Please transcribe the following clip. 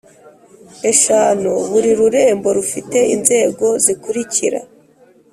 eshanu Buri rurembo rufite inzego zikurikira